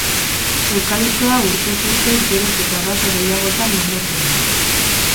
Eukaliptoa urtez urte geroz eta baso gehiagotan landatzen da.